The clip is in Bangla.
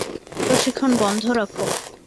প্রশিক্ষণ বন্ধ রাখো।